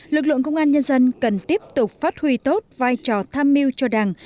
lực lượng công an nhân dân cần tiếp tục phát huy tốt vai trò tham mưu cho đảng